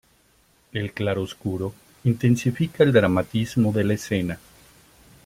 El claroscuro intensifica el dramatismo de la escena.